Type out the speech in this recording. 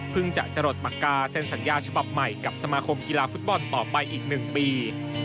จะหลดปากกาเซ็นสัญญาฉบับใหม่กับสมาคมกีฬาฟุตบอลต่อไปอีก๑ปี